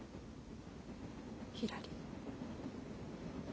ひらり。